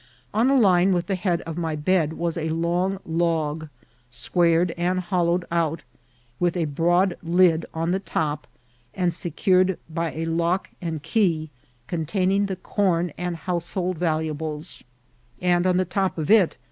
On a line with the head of my bed was a long log, squared and hollowed out, with a broad lid on the top, and secured by a lock and key, containing the com and household valuables, and on the top of it 36 4SS ivcidkhtb of tkaybl.